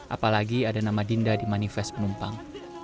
apalagi ada nama dinda di manifest penumpang